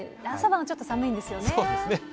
朝晩はちょっと寒いんですよね。